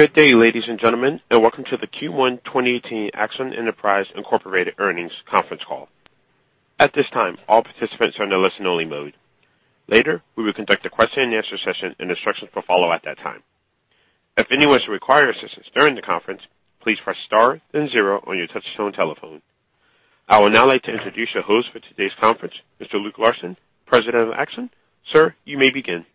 Good day, ladies and gentlemen, and welcome to the Q1 2018 Axon Enterprise Incorporated earnings conference call. At this time, all participants are in a listen only mode. Later, we will conduct a question and answer session, and instructions will follow at that time. If anyone should require assistance during the conference, please press star then zero on your touchtone telephone. I would now like to introduce your host for today's conference, Mr. Luke Larson, President of Axon. Sir, you may begin.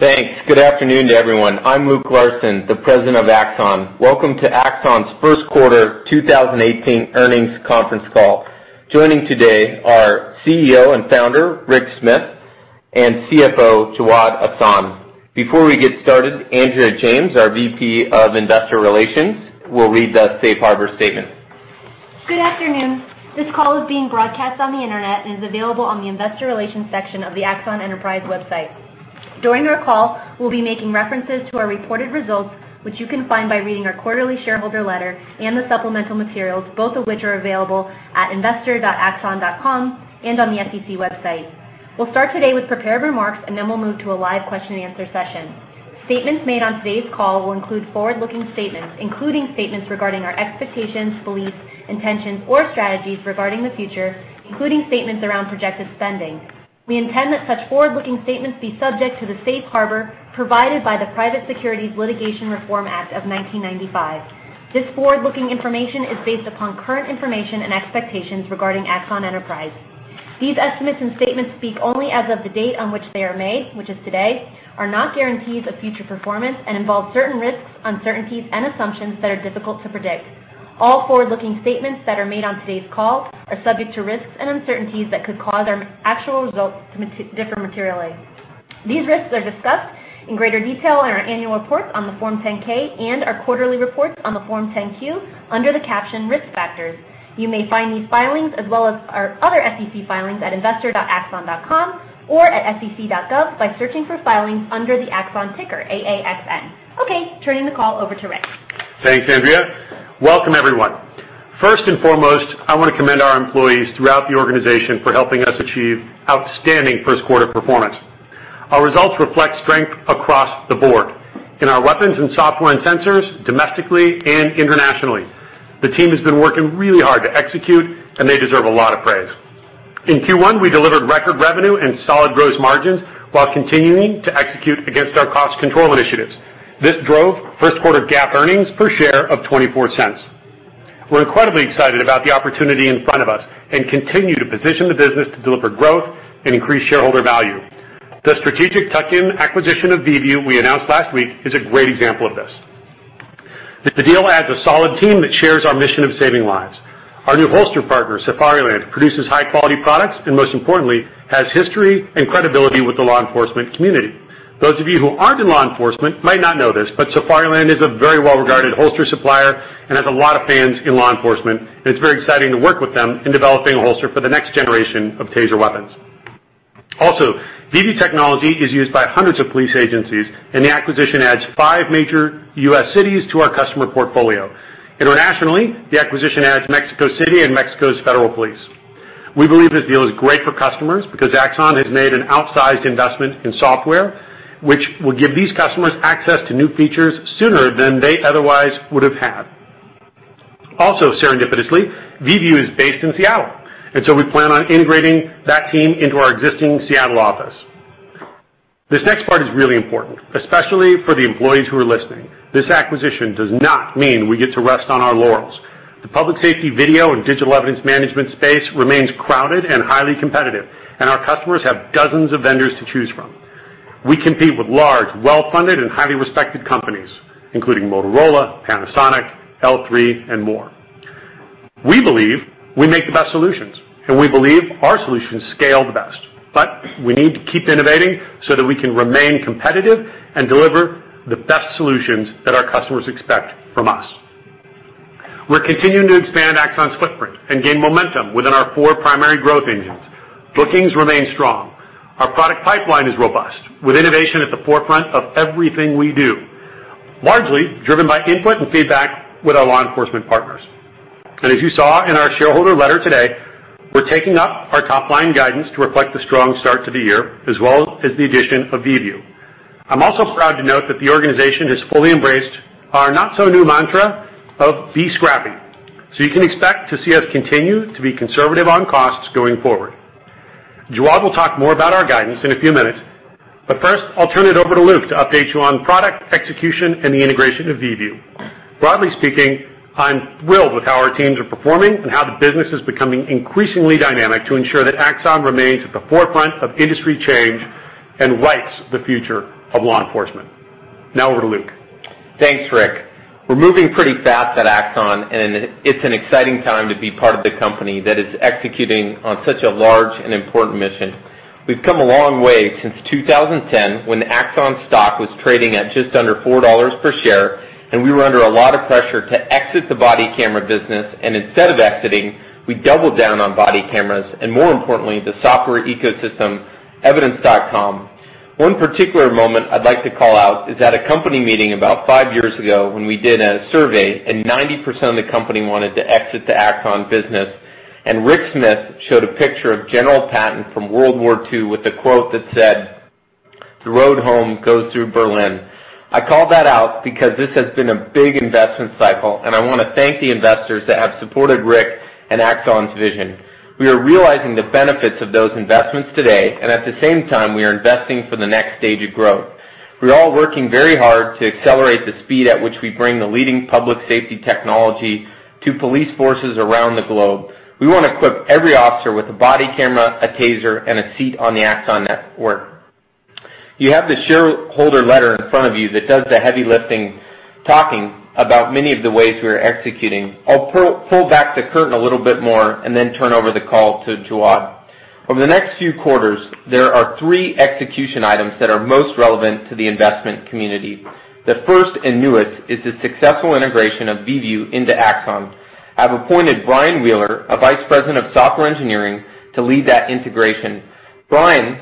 Thanks. Good afternoon to everyone. I'm Luke Larson, the President of Axon. Welcome to Axon's first quarter 2018 earnings conference call. Joining today are CEO and founder, Rick Smith, and CFO, Jawad Ahsan. Before we get started, Andrea James, our VP of Investor Relations, will read the safe harbor statement. Good afternoon. This call is being broadcast on the Internet and is available on the investor relations section of the Axon Enterprise website. During our call, we'll be making references to our reported results, which you can find by reading our quarterly shareholder letter and the supplemental materials, both of which are available at investor.axon.com, and on the SEC website. We'll start today with prepared remarks, and then we'll move to a live question and answer session. Statements made on today's call will include forward-looking statements, including statements regarding our expectations, beliefs, intentions, or strategies regarding the future, including statements around projected spending. We intend that such forward-looking statements be subject to the safe harbor provided by the Private Securities Litigation Reform Act of 1995. This forward-looking information is based upon current information and expectations regarding Axon Enterprise. These estimates and statements speak only as of the date on which they are made, which is today, are not guarantees of future performance and involve certain risks, uncertainties, and assumptions that are difficult to predict. All forward-looking statements that are made on today's call are subject to risks and uncertainties that could cause our actual results to differ materially. These risks are discussed in greater detail in our annual report on the Form 10-K and our quarterly reports on the Form 10-Q under the caption Risk Factors. You may find these filings as well as our other SEC filings at investor.axon.com or at sec.gov by searching for filings under the Axon ticker, AAXN. Okay, turning the call over to Rick. Thanks, Andrea. Welcome, everyone. First and foremost, I want to commend our employees throughout the organization for helping us achieve outstanding first quarter performance. Our results reflect strength across the board, in our weapons and software and sensors, domestically and internationally. The team has been working really hard to execute, and they deserve a lot of praise. In Q1, we delivered record revenue and solid gross margins while continuing to execute against our cost control initiatives. This drove first quarter GAAP earnings per share of $0.24. We're incredibly excited about the opportunity in front of us and continue to position the business to deliver growth and increase shareholder value. The strategic tuck-in acquisition of VIEVU we announced last week is a great example of this. The deal adds a solid team that shares our mission of saving lives. Our new holster partner, Safariland, produces high-quality products, and most importantly, has history and credibility with the law enforcement community. Those of you who aren't in law enforcement might not know this, but Safariland is a very well-regarded holster supplier and has a lot of fans in law enforcement. It's very exciting to work with them in developing a holster for the next generation of TASER weapons. VIEVU technology is used by hundreds of police agencies. The acquisition adds five major U.S. cities to our customer portfolio. Internationally, the acquisition adds Mexico City and Mexico's Federal Police. We believe this deal is great for customers because Axon has made an outsized investment in software, which will give these customers access to new features sooner than they otherwise would have had. Serendipitously, VIEVU is based in Seattle. We plan on integrating that team into our existing Seattle office. This next part is really important, especially for the employees who are listening. This acquisition does not mean we get to rest on our laurels. The public safety video and digital evidence management space remains crowded and highly competitive. Our customers have dozens of vendors to choose from. We compete with large, well-funded, and highly respected companies, including Motorola, Panasonic, L3 Technologies, and more. We believe we make the best solutions. We believe our solutions scale the best. We need to keep innovating so that we can remain competitive and deliver the best solutions that our customers expect from us. We're continuing to expand Axon's footprint and gain momentum within our four primary growth engines. Bookings remain strong. Our product pipeline is robust, with innovation at the forefront of everything we do, largely driven by input and feedback with our law enforcement partners. As you saw in our shareholder letter today, we're taking up our top-line guidance to reflect the strong start to the year as well as the addition of VIEVU. I'm also proud to note that the organization has fully embraced our not-so-new mantra of be scrappy. You can expect to see us continue to be conservative on costs going forward. Jawad will talk more about our guidance in a few minutes, but first, I'll turn it over to Luke to update you on product, execution, and the integration of VIEVU. Broadly speaking, I'm thrilled with how our teams are performing and how the business is becoming increasingly dynamic to ensure that Axon remains at the forefront of industry change and shapes the future of law enforcement. Now over to Luke. Thanks, Rick. We're moving pretty fast at Axon, and it's an exciting time to be part of the company that is executing on such a large and important mission. We've come a long way since 2010, when Axon stock was trading at just under $4 per share, and we were under a lot of pressure to exit the body camera business, and instead of exiting, we doubled down on body cameras and, more importantly, the software ecosystem, Evidence.com. One particular moment I'd like to call out is at a company meeting about five years ago when we did a survey and 90% of the company wanted to exit the Axon business. Rick Smith showed a picture of General Patton from World War II with a quote that said, "The road home goes through Berlin." I called that out because this has been a big investment cycle, and I want to thank the investors that have supported Rick and Axon's vision. We are realizing the benefits of those investments today, and at the same time, we are investing for the next stage of growth. We are all working very hard to accelerate the speed at which we bring the leading public safety technology to police forces around the globe. We want to equip every officer with a body camera, a TASER, and a seat on the Axon Network. You have the shareholder letter in front of you that does the heavy lifting, talking about many of the ways we are executing. I'll pull back the curtain a little bit more and then turn over the call to Jawad. Over the next few quarters, there are three execution items that are most relevant to the investment community. The first and newest is the successful integration of VIEVU into Axon. I've appointed Bryan Wheeler, a vice president of software engineering, to lead that integration. Bryan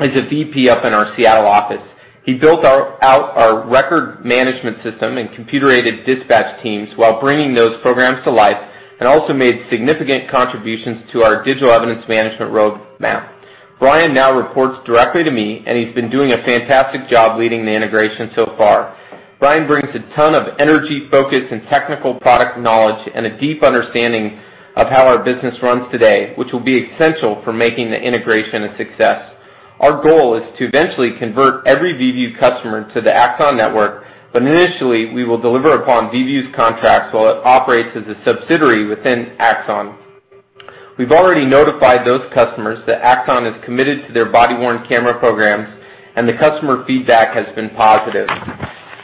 is a VP up in our Seattle office. He built out our Axon Records and computer-aided dispatch teams while bringing those programs to life, and also made significant contributions to our digital evidence management roadmap. Bryan now reports directly to me, and he's been doing a fantastic job leading the integration so far. Bryan brings a ton of energy, focus, and technical product knowledge and a deep understanding of how our business runs today, which will be essential for making the integration a success. Our goal is to eventually convert every VIEVU customer to the Axon Network, but initially, we will deliver upon VIEVU's contract while it operates as a subsidiary within Axon. We've already notified those customers that Axon is committed to their body-worn camera programs, and the customer feedback has been positive.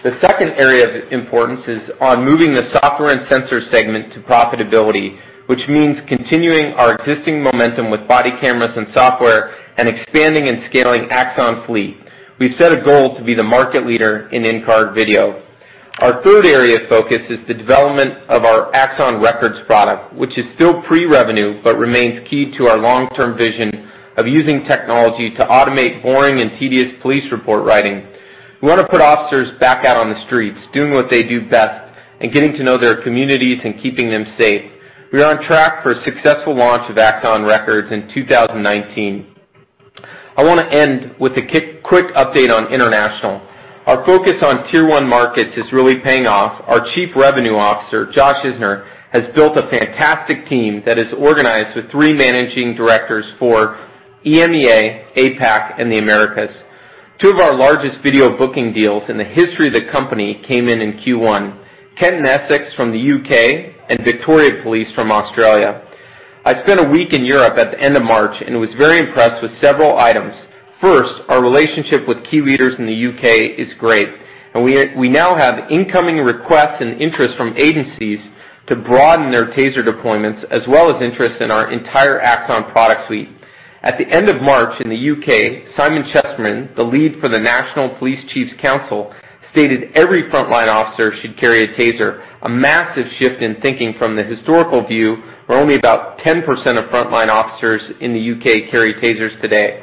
The second area of importance is on moving the software and sensor segment to profitability, which means continuing our existing momentum with body cameras and software and expanding and scaling Axon Fleet. We've set a goal to be the market leader in in-car video. Our third area of focus is the development of our Axon Records product, which is still pre-revenue, but remains key to our long-term vision of using technology to automate boring and tedious police report writing. We want to put officers back out on the streets, doing what they do best and getting to know their communities and keeping them safe. We are on track for a successful launch of Axon Records in 2019. I want to end with a quick update on international. Our focus on tier-one markets is really paying off. Our Chief Revenue Officer, Josh Isner, has built a fantastic team that is organized with three managing directors for EMEA, APAC, and the Americas. Two of our largest video booking deals in the history of the company came in in Q1, Kent and Essex from the U.K. and Victoria Police from Australia. I spent a week in Europe at the end of March and was very impressed with several items. First, our relationship with key leaders in the U.K. is great. We now have incoming requests and interest from agencies to broaden their TASER deployments, as well as interest in our entire Axon product suite. At the end of March in the U.K., Simon Chesterman, the lead for the National Police Chiefs' Council, stated every frontline officer should carry a TASER, a massive shift in thinking from the historical view, where only about 10% of frontline officers in the U.K. carry TASERs today.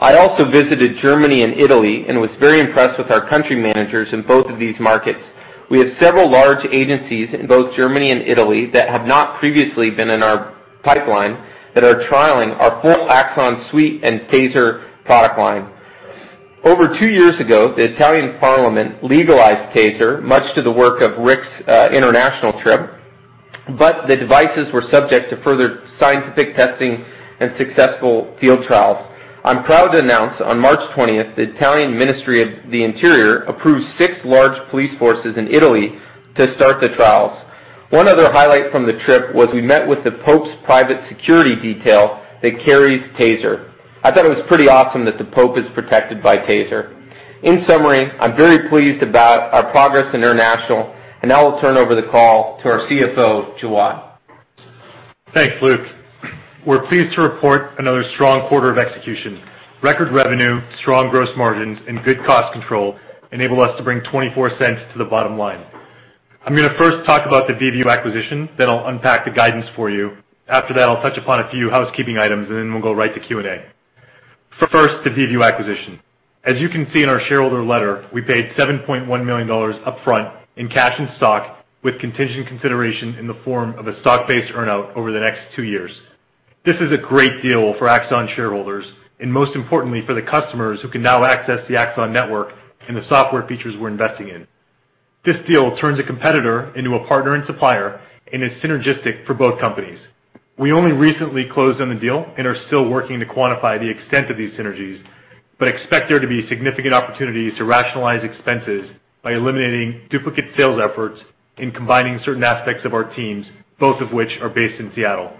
I also visited Germany and Italy and was very impressed with our country managers in both of these markets. We have several large agencies in both Germany and Italy that have not previously been in our pipeline that are trialing our full Axon suite and TASER product line. Over two years ago, the Italian parliament legalized TASER. The devices were subject to further scientific testing and successful field trials. I'm proud to announce on March 20th, the Italian Ministry of the Interior approved six large police forces in Italy to start the trials. One other highlight from the trip was we met with the Pope's private security detail that carries TASER. I thought it was pretty awesome that the Pope is protected by TASER. In summary, I'm very pleased about our progress in international. Now I'll turn over the call to our CFO, Jawad. Thanks, Luke. We're pleased to report another strong quarter of execution. Record revenue, strong gross margins, and good cost control enable us to bring $0.24 to the bottom line. I'm going to first talk about the VIEVU acquisition, then I'll unpack the guidance for you. After that, I'll touch upon a few housekeeping items, we'll go right to Q&A. First, the VIEVU acquisition. As you can see in our shareholder letter, we paid $7.1 million upfront in cash and stock with contingent consideration in the form of a stock-based earn-out over the next two years. This is a great deal for Axon shareholders and most importantly, for the customers who can now access the Axon Network and the software features we're investing in. This deal turns a competitor into a partner and supplier and is synergistic for both companies. We only recently closed on the deal and are still working to quantify the extent of these synergies, expect there to be significant opportunities to rationalize expenses by eliminating duplicate sales efforts and combining certain aspects of our teams, both of which are based in Seattle.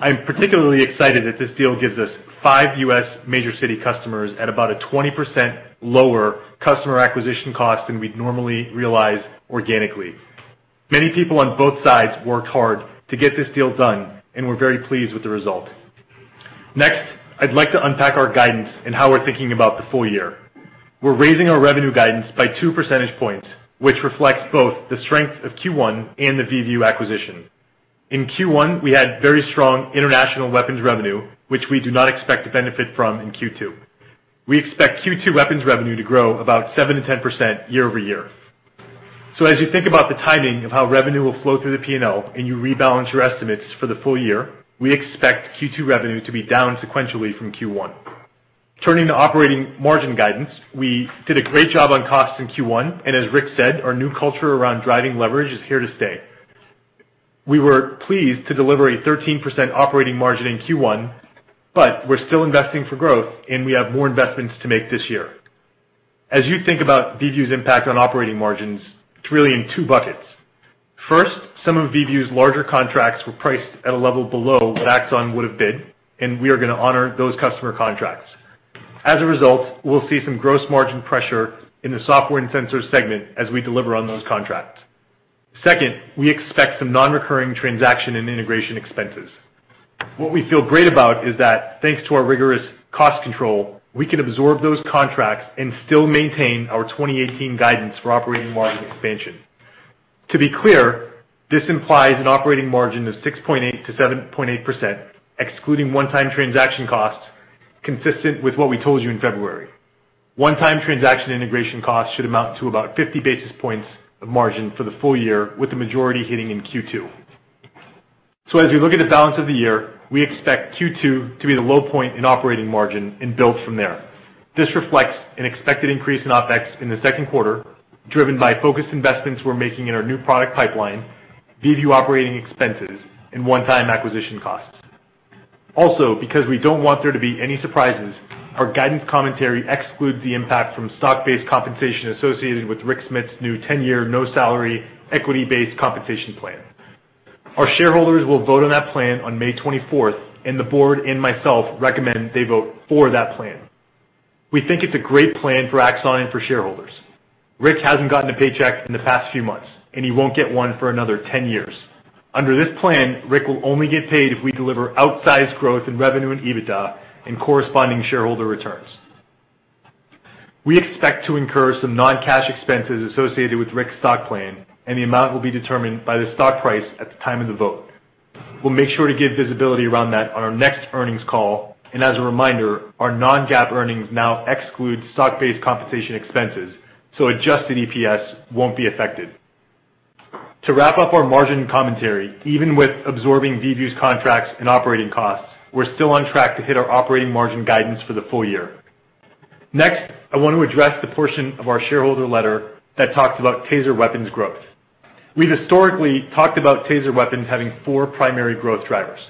I'm particularly excited that this deal gives us five U.S. major city customers at about a 20% lower customer acquisition cost than we'd normally realize organically. Many people on both sides worked hard to get this deal done, we're very pleased with the result. Next, I'd like to unpack our guidance and how we're thinking about the full year. We're raising our revenue guidance by two percentage points, which reflects both the strength of Q1 and the VIEVU acquisition. In Q1, we had very strong international weapons revenue, which we do not expect to benefit from in Q2. We expect Q2 weapons revenue to grow about seven to 10% year-over-year. As you think about the timing of how revenue will flow through the P&L you rebalance your estimates for the full year, we expect Q2 revenue to be down sequentially from Q1. Turning to operating margin guidance, we did a great job on costs in Q1, as Rick said, our new culture around driving leverage is here to stay. We were pleased to deliver a 13% operating margin in Q1, we're still investing for growth, we have more investments to make this year. As you think about VIEVU's impact on operating margins, it's really in two buckets. First, some of VIEVU's larger contracts were priced at a level below what Axon would have bid, we are going to honor those customer contracts. As a result, we'll see some gross margin pressure in the software and sensor segment as we deliver on those contracts. Second, we expect some non-recurring transaction and integration expenses. What we feel great about is that thanks to our rigorous cost control, we can absorb those contracts and still maintain our 2018 guidance for operating margin expansion. To be clear, this implies an operating margin of 6.8%-7.8%, excluding one-time transaction costs, consistent with what we told you in February. One-time transaction integration costs should amount to about 50 basis points of margin for the full year, with the majority hitting in Q2. As we look at the balance of the year, we expect Q2 to be the low point in operating margin, build from there. This reflects an expected increase in OpEx in the second quarter, driven by focused investments we're making in our new product pipeline, VIEVU operating expenses, and one-time acquisition costs. Because we don't want there to be any surprises, our guidance commentary excludes the impact from stock-based compensation associated with Rick Smith's new 10-year, no salary, equity-based compensation plan. Our shareholders will vote on that plan on May 24th, and the board and myself recommend they vote for that plan. We think it's a great plan for Axon and for shareholders. Rick hasn't gotten a paycheck in the past few months, and he won't get one for another 10 years. Under this plan, Rick will only get paid if we deliver outsized growth in revenue and EBITDA and corresponding shareholder returns. We expect to incur some non-cash expenses associated with Rick's stock plan, and the amount will be determined by the stock price at the time of the vote. We'll make sure to give visibility around that on our next earnings call, and as a reminder, our non-GAAP earnings now exclude stock-based compensation expenses, so adjusted EPS won't be affected. To wrap up our margin commentary, even with absorbing VIEVU's contracts and operating costs, we're still on track to hit our operating margin guidance for the full year. Next, I want to address the portion of our shareholder letter that talked about TASER weapons growth. We've historically talked about TASER weapons having four primary growth drivers.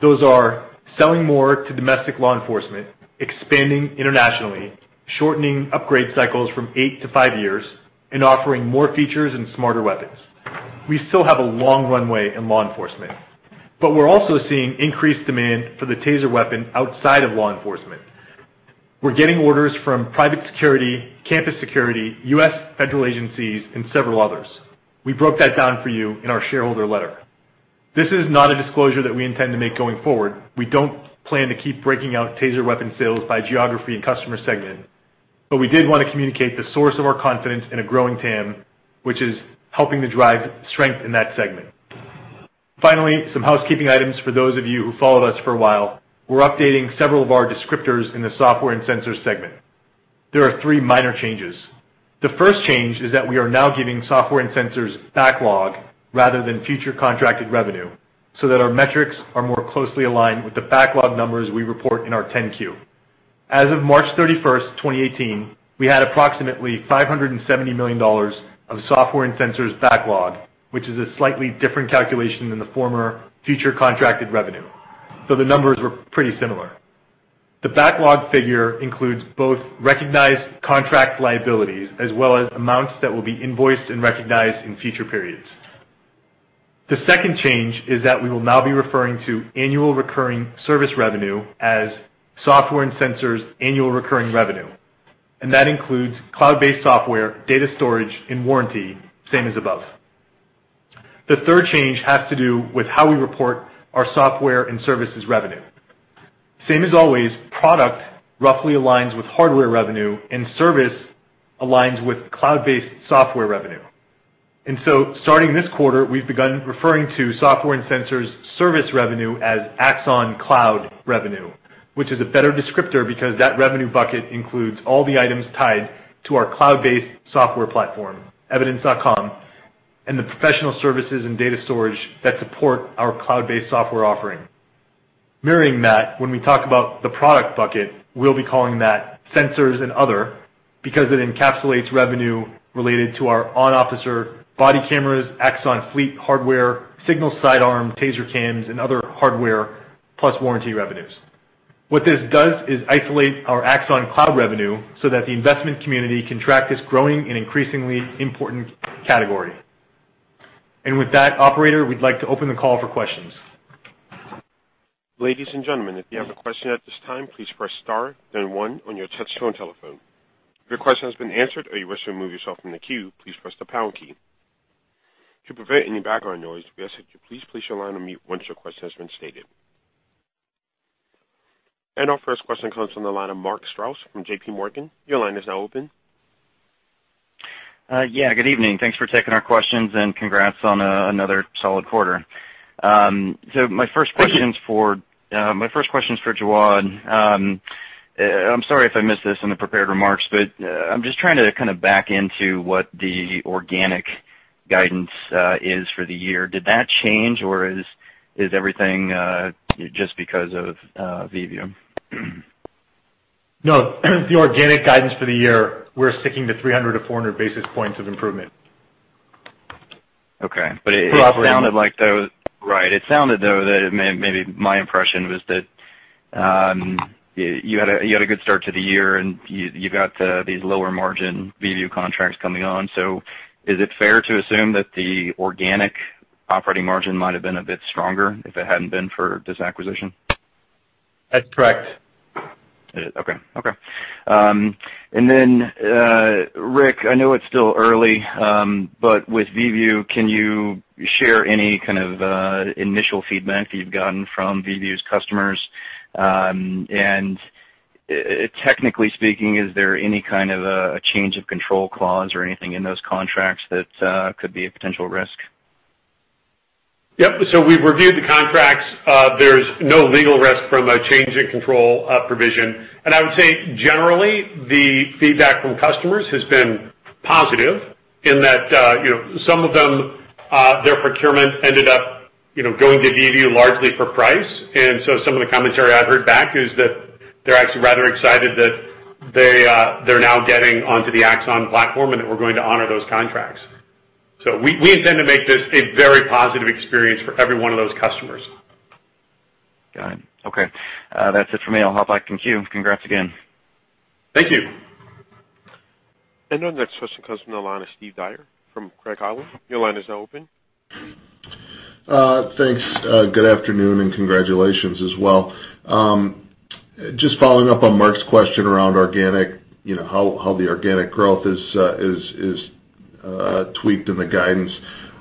Those are selling more to domestic law enforcement, expanding internationally, shortening upgrade cycles from eight to five years, and offering more features and smarter weapons. We still have a long runway in law enforcement, but we're also seeing increased demand for the TASER weapon outside of law enforcement. We're getting orders from private security, campus security, U.S. federal agencies, and several others. We broke that down for you in our shareholder letter. This is not a disclosure that we intend to make going forward. We don't plan to keep breaking out TASER weapon sales by geography and customer segment. We did want to communicate the source of our confidence in a growing TAM, which is helping to drive strength in that segment. Finally, some housekeeping items for those of you who followed us for a while. We're updating several of our descriptors in the software and sensor segment. There are three minor changes. The first change is that we are now giving software and sensors backlog rather than future contracted revenue, so that our metrics are more closely aligned with the backlog numbers we report in our 10-Q. As of March 31st, 2018, we had approximately $570 million of software and sensors backlog, which is a slightly different calculation than the former future contracted revenue. The numbers were pretty similar. The backlog figure includes both recognized contract liabilities as well as amounts that will be invoiced and recognized in future periods. The second change is that we will now be referring to annual recurring service revenue as software and sensors annual recurring revenue, and that includes cloud-based software, data storage, and warranty, same as above. The third change has to do with how we report our software and services revenue. Same as always, product roughly aligns with hardware revenue, and service aligns with cloud-based software revenue. Starting this quarter, we've begun referring to software and sensors service revenue as Axon Cloud revenue, which is a better descriptor because that revenue bucket includes all the items tied to our cloud-based software platform, Evidence.com, and the professional services and data storage that support our cloud-based software offering. Mirroring that, when we talk about the product bucket, we'll be calling that sensors and other, because it encapsulates revenue related to our Axon Body cameras, Axon Fleet hardware, Signal Sidearm, TASER CAMs, and other hardware, plus warranty revenues. What this does is isolate our Axon Cloud revenue so that the investment community can track this growing and increasingly important category. With that, operator, we'd like to open the call for questions. Ladies and gentlemen, if you have a question at this time, please press star then one on your touch-tone telephone. If your question has been answered or you wish to remove yourself from the queue, please press the pound key. To prevent any background noise, we ask that you please place your line on mute once your question has been stated. Our first question comes from the line of Mark Strouse from J.P. Morgan. Your line is now open Yeah, good evening. Thanks for taking our questions, and congrats on another solid quarter. My first question's for Jawad. I'm sorry if I missed this in the prepared remarks, but I'm just trying to kind of back into what the organic guidance is for the year. Did that change or is everything just because of VIEVU? No. The organic guidance for the year, we're sticking to 300 to 400 basis points of improvement. Okay. Roughly. Right. My impression was that you had a good start to the year, and you got these lower margin VIEVU contracts coming on. Is it fair to assume that the organic operating margin might have been a bit stronger if it hadn't been for this acquisition? That's correct. It is. Okay. Rick, I know it's still early, but with VIEVU, can you share any kind of initial feedback that you've gotten from VIEVU's customers? Technically speaking, is there any kind of a change of control clause or anything in those contracts that could be a potential risk? Yep. We've reviewed the contracts. There's no legal risk from a change in control provision. I would say generally, the feedback from customers has been positive in that some of them, their procurement ended up going to VIEVU largely for price. Some of the commentary I've heard back is that they're actually rather excited that they're now getting onto the Axon platform and that we're going to honor those contracts. We intend to make this a very positive experience for every one of those customers. Got it. Okay. That's it for me. I'll hop back in queue. Congrats again. Thank you. Our next question comes from the line of Steve Dyer from Craig-Hallum. Your line is now open. Thanks. Good afternoon, and congratulations as well. Just following up on Mark's question around organic, how the organic growth is tweaked in the guidance.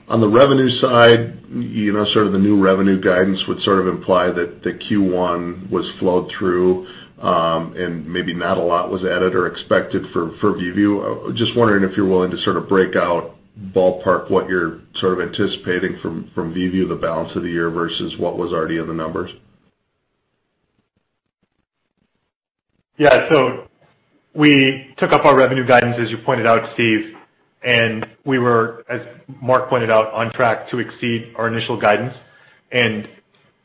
On the revenue side, sort of the new revenue guidance would sort of imply that the Q1 was flowed through, and maybe not a lot was added or expected for VIEVU. Just wondering if you're willing to sort of break out ballpark what you're sort of anticipating from VIEVU the balance of the year versus what was already in the numbers. Yeah. We took up our revenue guidance, as you pointed out, Steve, and we were, as Mark pointed out, on track to exceed our initial guidance.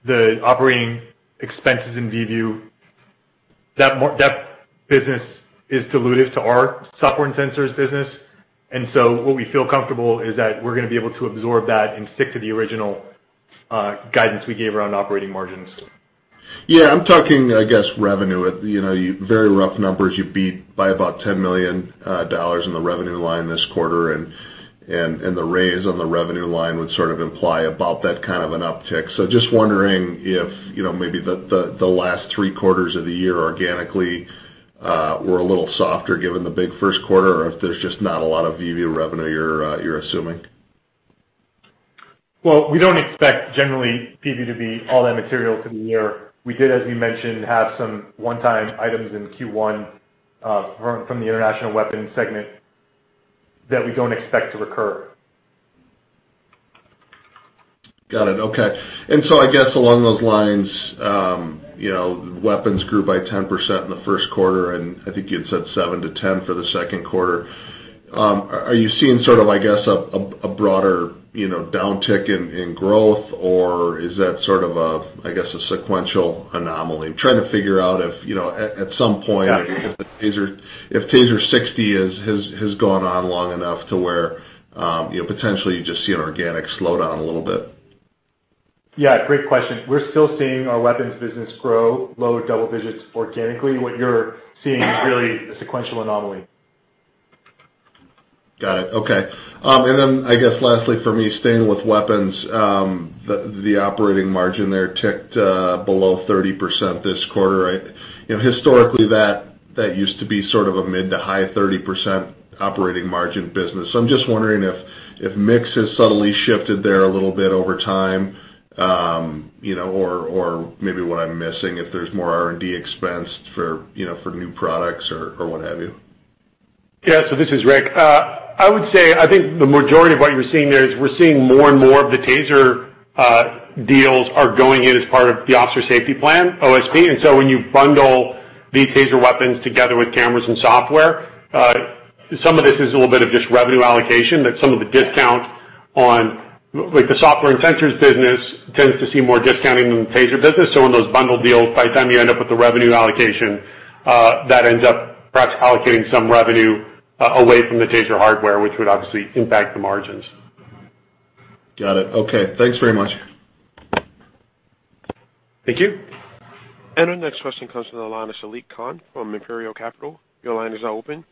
The operating expenses in VIEVU, that business is dilutive to our Software and Sensors business. What we feel comfortable is that we're going to be able to absorb that and stick to the original guidance we gave around operating margins. Yeah, I'm talking, I guess, revenue. Very rough numbers, you beat by about $10 million in the revenue line this quarter, and the raise on the revenue line would sort of imply about that kind of an uptick. Just wondering if maybe the last three quarters of the year organically were a little softer given the big first quarter, or if there's just not a lot of VIEVU revenue you're assuming. Well, we don't expect generally VIEVU to be all that material to the year. We did, as we mentioned, have some one-time items in Q1 from the International Weapons segment that we don't expect to recur. Got it. Okay. I guess along those lines, weapons grew by 10% in the first quarter, and I think you had said 7%-10% for the second quarter. Are you seeing sort of, I guess, a broader downtick in growth, or is that sort of a, I guess, a sequential anomaly? I'm trying to figure out if at some point Yeah if TASER 60 has gone on long enough to where potentially you just see an organic slowdown a little bit. Yeah, great question. We're still seeing our weapons business grow low double digits organically. What you're seeing is really a sequential anomaly. Got it. Okay. Then I guess lastly for me, staying with weapons, the operating margin there ticked below 30% this quarter. Historically, that used to be sort of a mid to high 30% operating margin business. I'm just wondering if mix has subtly shifted there a little bit over time, or maybe what I'm missing, if there's more R&D expense for new products or what have you. Yeah. This is Rick. I would say, I think the majority of what you were seeing there is we're seeing more and more of the TASER deals are going in as part of the Officer Safety Plan, OSP. When you bundle the TASER weapons together with cameras and software, some of this is a little bit of just revenue allocation. That some of the discount on, like the Software and Sensors business tends to see more discounting than the TASER business. In those bundled deals, by the time you end up with the revenue allocation, that ends up perhaps allocating some revenue away from the TASER hardware, which would obviously impact the margins. Got it. Okay. Thanks very much. Thank you. Our next question comes from the line of Saliq Khan from Imperial Capital. Your line is now open.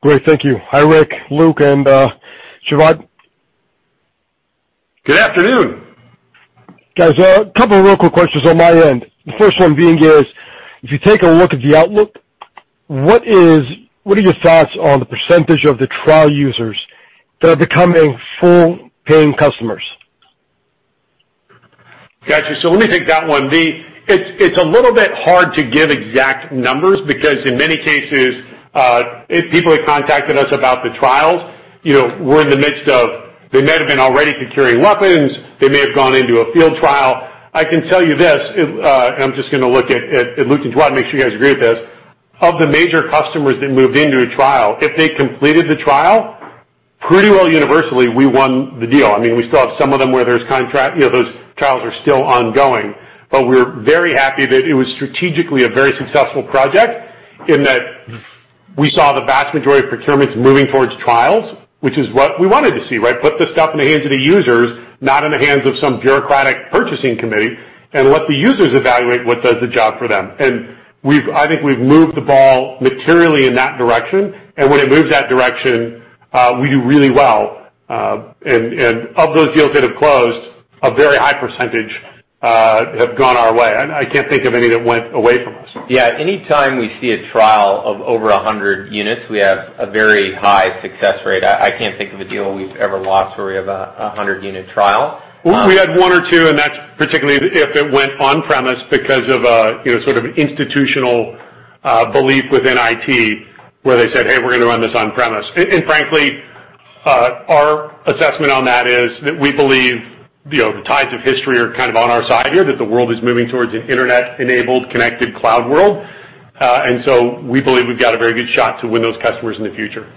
Great. Thank you. Hi, Rick, Luke, and Jawad. Good afternoon. Guys, a couple of real quick questions on my end. The first one being is, if you take a look at the outlook, what are your thoughts on the percentage of the trial users that are becoming full-paying customers? Got you. Let me take that one. It's a little bit hard to give exact numbers because in many cases, if people have contacted us about the trials, they might have been already procuring weapons. They may have gone into a field trial. I can tell you this, and I'm just going to look at Luke and Jawad, make sure you guys agree with this. Of the major customers that moved into a trial, if they completed the trial, pretty well universally, we won the deal. We still have some of them where those trials are still ongoing, but we're very happy that it was strategically a very successful project in that we saw the vast majority of procurements moving towards trials, which is what we wanted to see, right? Put the stuff in the hands of the users, not in the hands of some bureaucratic purchasing committee, let the users evaluate what does the job for them. I think we've moved the ball materially in that direction, and when it moves that direction, we do really well. Of those deals that have closed, a very high percentage have gone our way. I can't think of any that went away from us. Anytime we see a trial of over 100 units, we have a very high success rate. I can't think of a deal we've ever lost where we have 100-unit trial. We had one or two, and that's particularly if it went on-premise because of sort of institutional belief within IT, where they said, "Hey, we're going to run this on-premise." Frankly, our assessment on that is that we believe the tides of history are kind of on our side here, that the world is moving towards an internet-enabled, connected cloud world. We believe we've got a very good shot to win those customers in the future.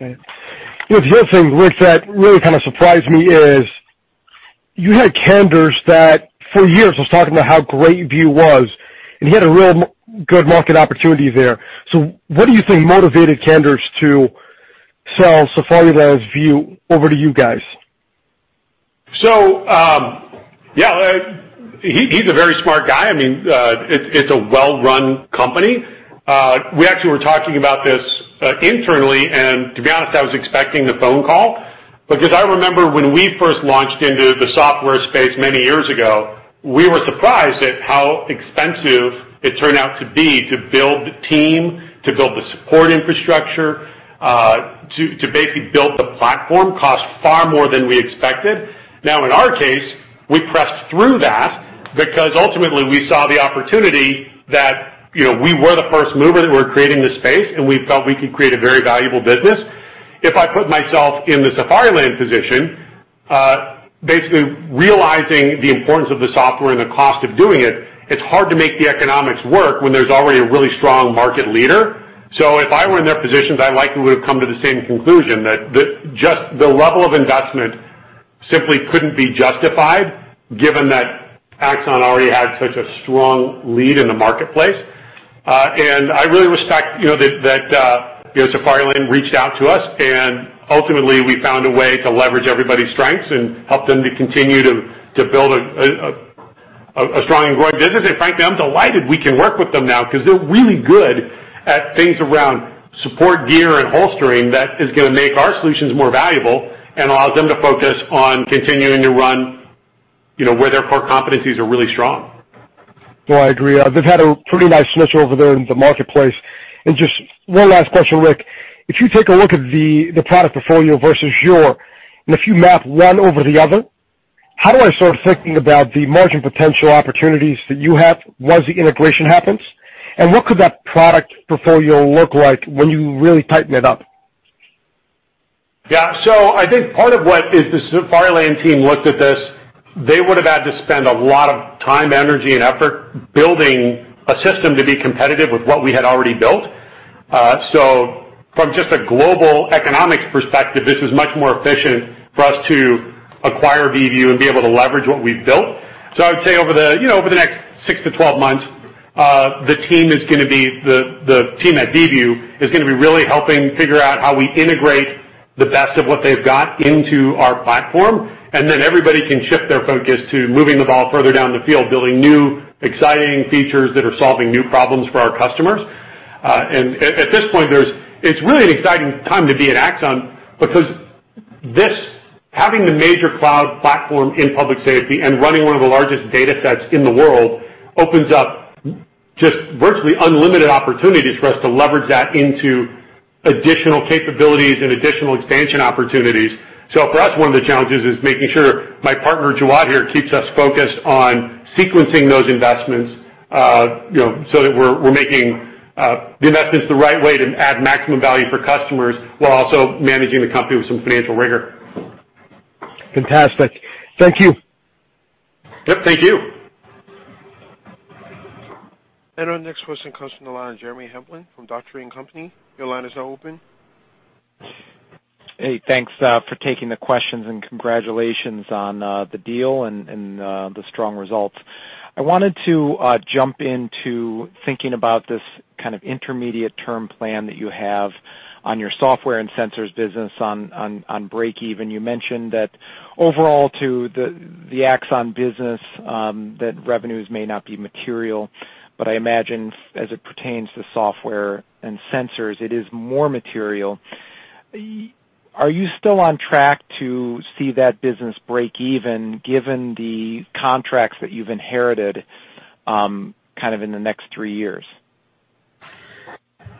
The other thing, Rick, that really kind of surprised me is you had Kander that for years was talking about how great VIEVU was, and he had a real good market opportunity there. What do you think motivated Kanders to sell Safariland VIEVU over to you guys? He's a very smart guy. It's a well-run company. We actually were talking about this internally, and to be honest, I was expecting the phone call, because I remember when we first launched into the software space many years ago, we were surprised at how expensive it turned out to be to build the team, to build the support infrastructure, to basically build the platform, cost far more than we expected. Now, in our case, we pressed through that because ultimately we saw the opportunity that we were the first mover, that we were creating the space, and we felt we could create a very valuable business. If I put myself in the Safariland position, basically realizing the importance of the software and the cost of doing it's hard to make the economics work when there's already a really strong market leader. If I were in their position, I likely would've come to the same conclusion that just the level of investment simply couldn't be justified given that Axon already had such a strong lead in the marketplace. I really respect that Safariland reached out to us, and ultimately we found a way to leverage everybody's strengths and help them to continue to build a strong and growing business. Frankly, I'm delighted we can work with them now because they're really good at things around support gear and holstering that is going to make our solutions more valuable and allow them to focus on continuing to run where their core competencies are really strong. No, I agree. They've had a pretty nice niche over there in the marketplace. Just one last question, Rick. If you take a look at the product portfolio versus yours, and if you map one over the other, how do I start thinking about the margin potential opportunities that you have once the integration happens? What could that product portfolio look like when you really tighten it up? Yeah. I think part of what if the Safariland team looked at this, they would've had to spend a lot of time, energy, and effort building a system to be competitive with what we had already built. From just a global economics perspective, this is much more efficient for us to acquire VIEVU and be able to leverage what we've built. I would say over the next 6-12 months, the team at VIEVU is going to be really helping figure out how we integrate the best of what they've got into our platform, then everybody can shift their focus to moving the ball further down the field, building new, exciting features that are solving new problems for our customers. At this point, it's really an exciting time to be at Axon because having the major cloud platform in public safety and running one of the largest data sets in the world opens up just virtually unlimited opportunities for us to leverage that into additional capabilities and additional expansion opportunities. For us, one of the challenges is making sure my partner, Jawad here, keeps us focused on sequencing those investments, so that we're making the investments the right way to add maximum value for customers while also managing the company with some financial rigor. Fantastic. Thank you. Yep, thank you. Our next question comes from the line of Jeremy Hamblin from Dougherty & Company. Your line is now open. Hey, thanks for taking the questions and congratulations on the deal and the strong results. I wanted to jump into thinking about this kind of intermediate term plan that you have on your software and sensors business on breakeven. You mentioned that overall to the Axon business, that revenues may not be material, but I imagine as it pertains to software and sensors, it is more material. Are you still on track to see that business break even given the contracts that you've inherited kind of in the next three years?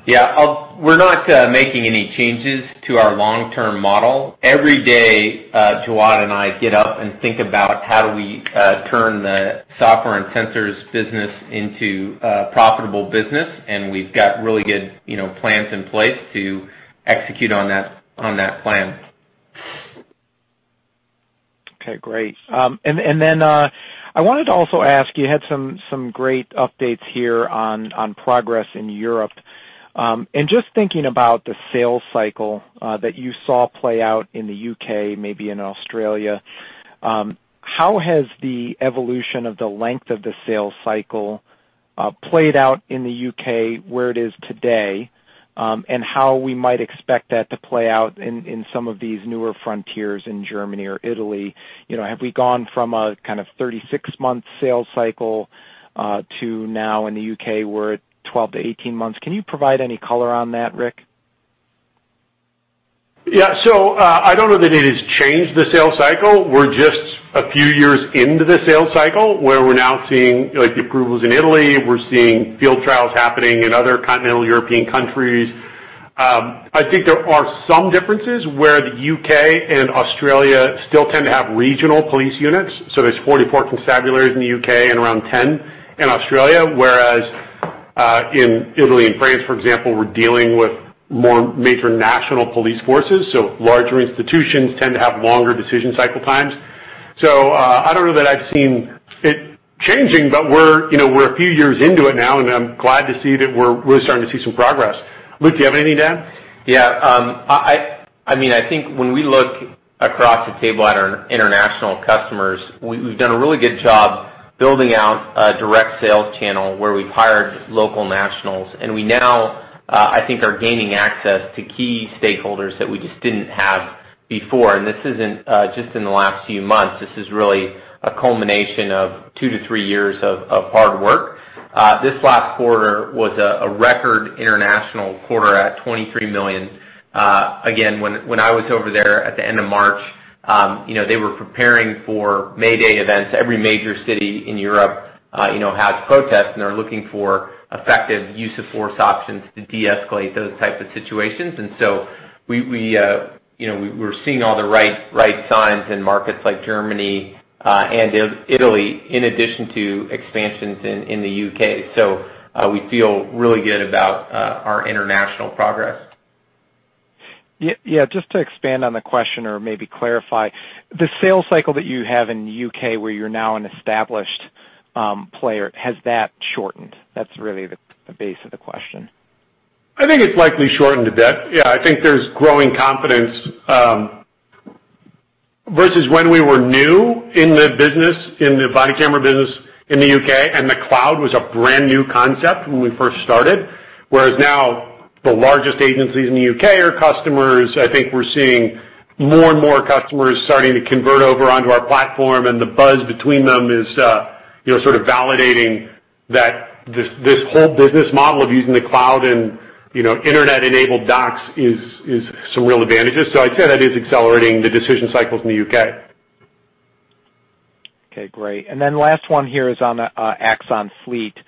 Yeah. We're not making any changes to our long-term model. Every day, Jawad and I get up and think about how do we turn the software and sensors business into a profitable business, and we've got really good plans in place to execute on that plan. Okay, great. I wanted to also ask, you had some great updates here on progress in Europe. Just thinking about the sales cycle that you saw play out in the U.K., maybe in Australia, how has the evolution of the length of the sales cycle played out in the U.K., where it is today, and how we might expect that to play out in some of these newer frontiers in Germany or Italy? Have we gone from a kind of 36-month sales cycle, to now in the U.K., we're at 12 to 18 months. Can you provide any color on that, Rick? Yeah. I don't know that it has changed the sales cycle. We're just a few years into the sales cycle, where we're now seeing the approvals in Italy. We're seeing field trials happening in other continental European countries. I think there are some differences where the U.K. and Australia still tend to have regional police units, so there's 44 constabularies in the U.K. and around 10 in Australia, whereas, in Italy and France, for example, we're dealing with more major national police forces, so larger institutions tend to have longer decision cycle times. I don't know that I've seen it changing, but we're a few years into it now, and I'm glad to see that we're starting to see some progress. Luke, do you have anything to add? Yeah. I think when we look across the table at our international customers, we've done a really good job building out a direct sales channel where we've hired local nationals, and we now, I think, are gaining access to key stakeholders that we just didn't have before. This isn't just in the last few months. This is really a culmination of two to three years of hard work. This last quarter was a record international quarter at $23 million. Again, when I was over there at the end of March, they were preparing for May Day events. Every major city in Europe has protests, and they're looking for effective use of force options to deescalate those types of situations. We're seeing all the right signs in markets like Germany, and Italy in addition to expansions in the U.K. We feel really good about our international progress. Yeah, just to expand on the question or maybe clarify, the sales cycle that you have in the U.K. where you're now an established player, has that shortened? That's really the base of the question. I think it's likely shortened a bit. Yeah, I think there's growing confidence, versus when we were new in the body camera business in the U.K., and the cloud was a brand-new concept when we first started. Whereas now the largest agencies in the U.K. are customers. I think we're seeing more and more customers starting to convert over onto our platform, and the buzz between them is sort of validating that this whole business model of using the cloud and internet-enabled docks is some real advantages. I'd say that is accelerating the decision cycles in the U.K. Okay, great. Last one here is on the Axon Fleet.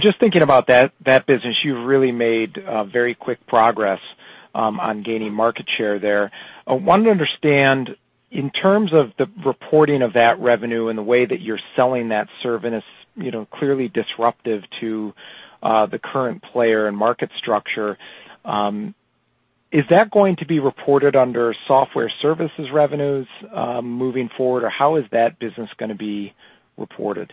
Just thinking about that business, you've really made very quick progress on gaining market share there. I wanted to understand, in terms of the reporting of that revenue and the way that you're selling that service, clearly disruptive to the current player and market structure, is that going to be reported under software services revenues moving forward, or how is that business going to be reported?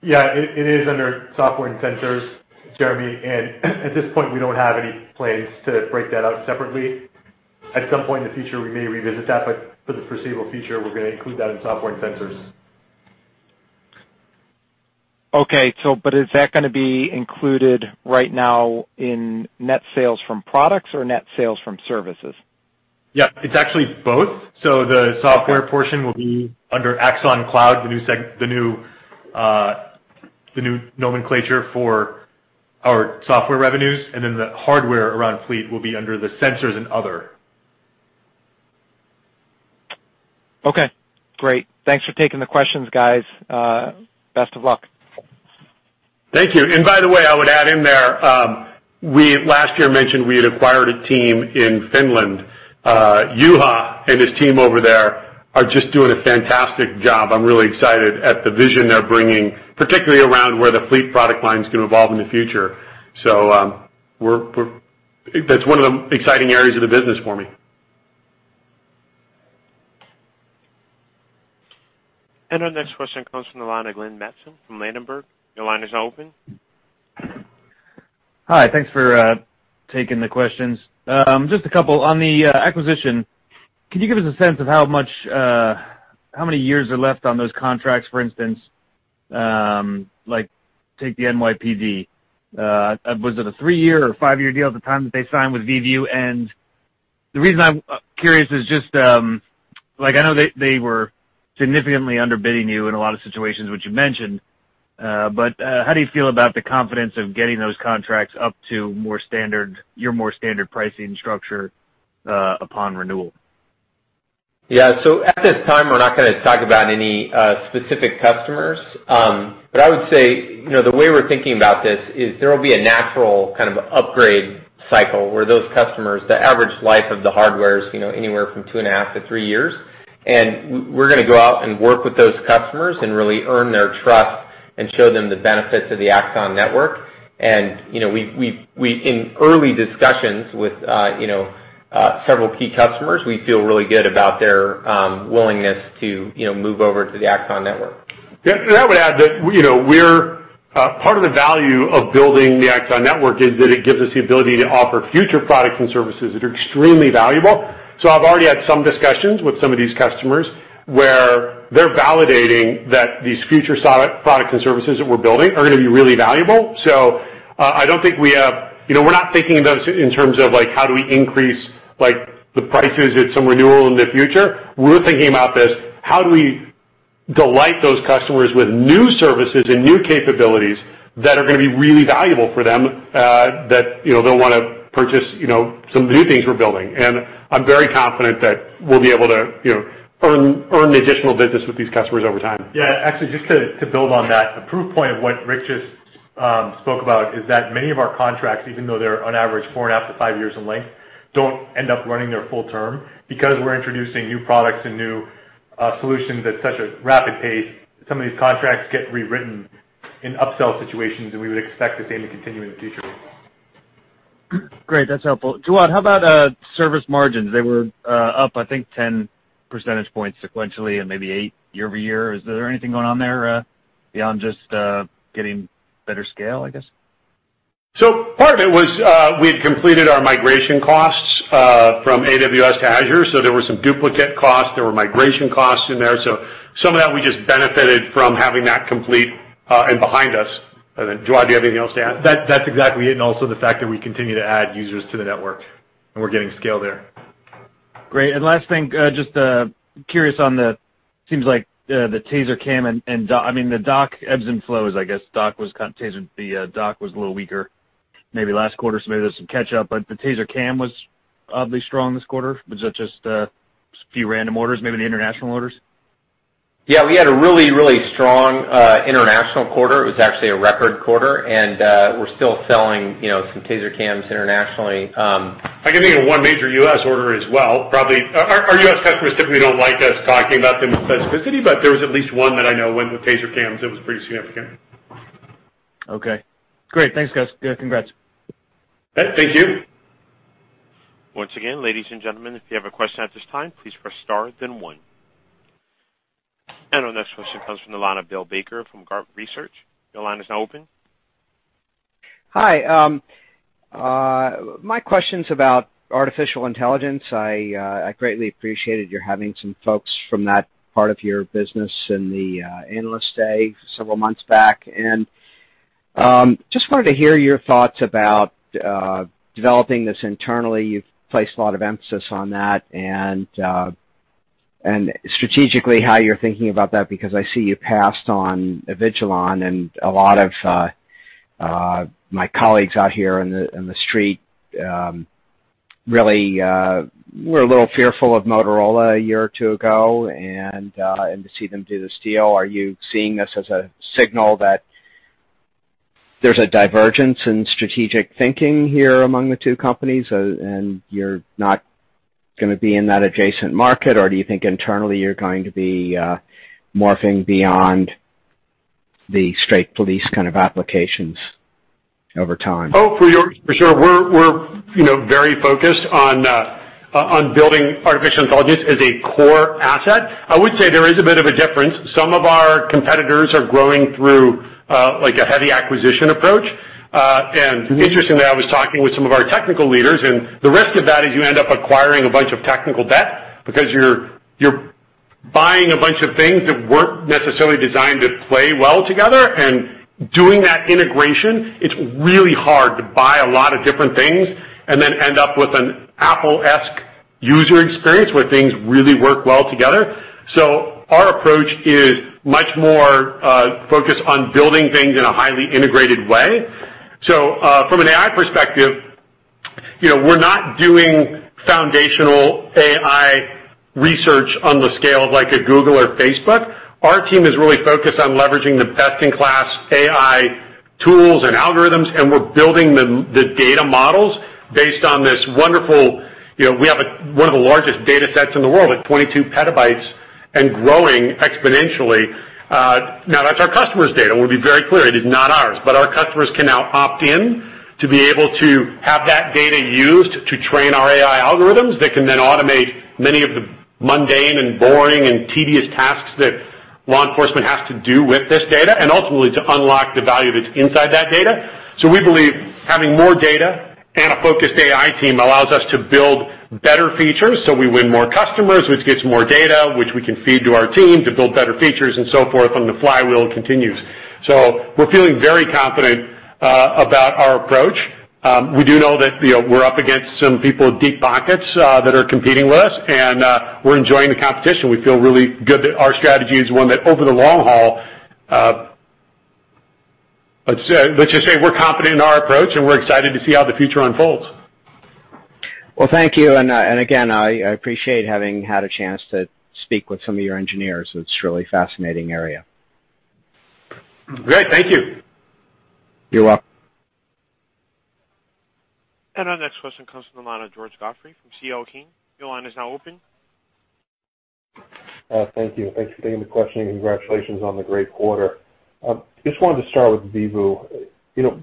Yeah. It is under software and sensors, Jeremy, at this point, we don't have any plans to break that out separately. At some point in the future, we may revisit that. For the foreseeable future, we're going to include that in software and sensors. Is that going to be included right now in net sales from products or net sales from services? It's actually both. The software portion will be under Axon Cloud, the new nomenclature for our software revenues, and then the hardware around Axon Fleet will be under the sensors and other. Great. Thanks for taking the questions, guys. Best of luck. Thank you. By the way, I would add in there, last year mentioned we had acquired a team in Finland. Juha and his team over there are just doing a fantastic job. I'm really excited at the vision they're bringing, particularly around where the Axon Fleet product line is going to evolve in the future. That's one of the exciting areas of the business for me. Our next question comes from the line of Glenn Mattson from Ladenburg. Your line is open. Hi. Thanks for taking the questions. Just a couple. On the acquisition, can you give us a sense of how many years are left on those contracts, for instance, take the NYPD. Was it a three-year or five-year deal at the time that they signed with VIEVU? The reason I'm curious is just I know they were significantly underbidding you in a lot of situations, which you mentioned. How do you feel about the confidence of getting those contracts up to your more standard pricing structure upon renewal? Yeah. At this time, we're not going to talk about any specific customers. I would say, the way we're thinking about this is there will be a natural kind of upgrade cycle where those customers, the average life of the hardware is anywhere from two and a half to three years. We're going to go out and work with those customers and really earn their trust and show them the benefits of the Axon Network. In early discussions with several key customers, we feel really good about their willingness to move over to the Axon Network. Yeah. I would add that part of the value of building the Axon Network is that it gives us the ability to offer future products and services that are extremely valuable. I've already had some discussions with some of these customers, where they're validating that these future product and services that we're building are going to be really valuable. We're not thinking about it in terms of how do we increase the prices at some renewal in the future. We're thinking about this, how do we delight those customers with new services and new capabilities that are going to be really valuable for them that they'll want to purchase some new things we're building. I'm very confident that we'll be able to earn the additional business with these customers over time. Yeah. Actually, just to build on that, a proof point of what Rick just spoke about is that many of our contracts, even though they're on average four and a half to five years in length, don't end up running their full term. We're introducing new products and new solutions at such a rapid pace, some of these contracts get rewritten in upsell situations. We would expect the same to continue in the future. Great. That's helpful. Jawad, how about service margins? They were up, I think, 10 percentage points sequentially and maybe eight year-over-year. Is there anything going on there beyond just getting better scale, I guess? Part of it was we had completed our migration costs from AWS to Azure. There were some duplicate costs. There were migration costs in there. Some of that we just benefited from having that complete and behind us. Jawad, do you have anything else to add? That's exactly it. Also the fact that we continue to add users to the network, we're getting scale there. Last thing, just curious on the seems like the TASER CAM and dock. The dock ebbs and flows, I guess. The dock was a little weaker maybe last quarter, so maybe there's some catch-up. The TASER CAM was oddly strong this quarter. Was that just a few random orders, maybe the international orders? We had a really strong international quarter. It was actually a record quarter. We're still selling some TASER CAMs internationally. I can think of one major U.S. order as well, probably. Our U.S. customers typically don't like us talking about them in specificity. There was at least one that I know went with TASER CAMs that was pretty significant. Great. Thanks, guys. Congrats. Thank you. Once again, ladies and gentlemen, if you have a question at this time, please press star, then one. Our next question comes from the line of Bill Baker from Gartner Research. Your line is now open. Hi. My question's about artificial intelligence. I greatly appreciated your having some folks from that part of your business in the analyst day several months back. Just wanted to hear your thoughts about developing this internally. You've placed a lot of emphasis on that, and strategically how you're thinking about that, because I see you passed on Avigilon, and a lot of my colleagues out here in the street really were a little fearful of Motorola a year or two ago, and to see them do this deal. Are you seeing this as a signal that there's a divergence in strategic thinking here among the two companies, and you're not going to be in that adjacent market? Do you think internally you're going to be morphing beyond the straight police kind of applications over time? Oh, for sure. We're very focused on building artificial intelligence as a core asset. I would say there is a bit of a difference. Some of our competitors are growing through a heavy acquisition approach. Interestingly, I was talking with some of our technical leaders, and the risk of that is you end up acquiring a bunch of technical debt because you're buying a bunch of things that weren't necessarily designed to play well together. Doing that integration, it's really hard to buy a lot of different things and then end up with an Apple-esque user experience where things really work well together. Our approach is much more focused on building things in a highly integrated way. From an AI perspective, we're not doing foundational AI research on the scale of a Google or Facebook. Our team is really focused on leveraging the best-in-class AI tools and algorithms, and we're building the data models based on this, we have one of the largest data sets in the world at 22 petabytes and growing exponentially. That's our customers' data. We'll be very clear. It is not ours. Our customers can now opt in to be able to have that data used to train our AI algorithms that can then automate many of the mundane and boring and tedious tasks that law enforcement has to do with this data, ultimately to unlock the value that's inside that data. We believe having more data and a focused AI team allows us to build better features so we win more customers, which gets more data, which we can feed to our team to build better features and so forth, the flywheel continues. We're feeling very confident about our approach. We do know that we're up against some people with deep pockets that are competing with us, and we're enjoying the competition. We feel really good that, let's just say we're confident in our approach, and we're excited to see how the future unfolds. Well, thank you. Again, I appreciate having had a chance to speak with some of your engineers. It's a truly fascinating area. Great. Thank you. You're welcome. Our next question comes from the line of George Godfrey from CL King. Your line is now open. Thank you. Thanks for taking the question, and congratulations on the great quarter. Just wanted to start with VIEVU. Rick,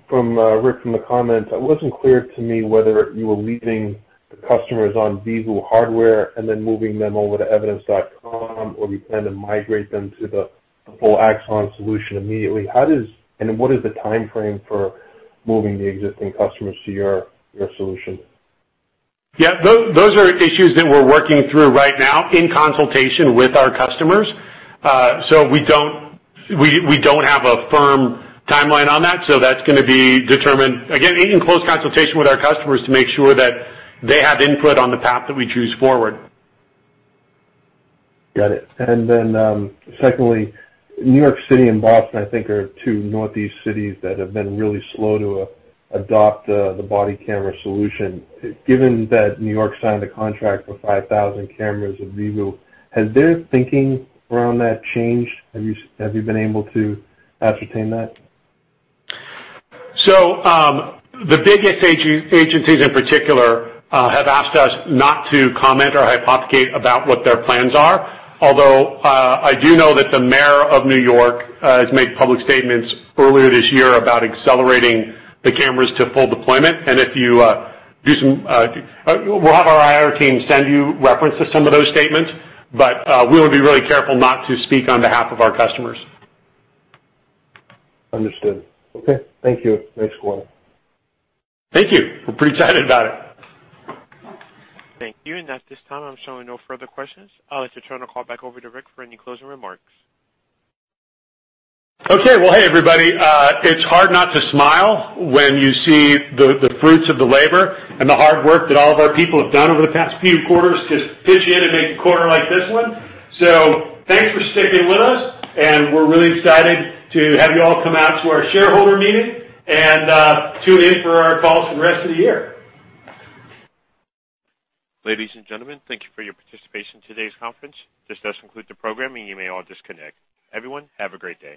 from the comments, it wasn't clear to me whether you were leaving the customers on VIEVU hardware, then moving them over to Evidence.com, or you plan to migrate them to the full Axon solution immediately. What is the timeframe for moving the existing customers to your solution? Yeah, those are issues that we're working through right now in consultation with our customers. We don't have a firm timeline on that. That's going to be determined, again, in close consultation with our customers to make sure that they have input on the path that we choose forward. Got it. Secondly, New York City and Boston, I think, are two Northeast cities that have been really slow to adopt the body camera solution. Given that New York signed a contract for 5,000 cameras of VIEVU, has their thinking around that changed? Have you been able to ascertain that? The biggest agencies in particular have asked us not to comment or hypothesize about what their plans are. Although, I do know that the mayor of New York has made public statements earlier this year about accelerating the cameras to full deployment. We'll have our IR team send you references to some of those statements. We would be really careful not to speak on behalf of our customers. Understood. Okay. Thank you. Nice quarter. Thank you. We're pretty excited about it. Thank you. At this time, I'm showing no further questions. I'll just return the call back over to Rick for any closing remarks. Okay. Well, hey, everybody. It's hard not to smile when you see the fruits of the labor and the hard work that all of our people have done over the past few quarters to pitch in and make a quarter like this one. Thanks for sticking with us, and we're really excited to have you all come out to our shareholder meeting and tune in for our calls for the rest of the year. Ladies and gentlemen, thank you for your participation in today's conference. This does conclude the program, and you may all disconnect. Everyone, have a great day.